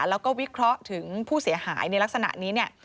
แล้วก็วิเคราะห์ถึงผู้เสียหายในลักษณะนี้เนี่ย